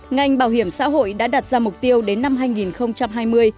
ngành bảo hiểm xã hội đã đặt ra mục tiêu đến năm hai nghìn hai mươi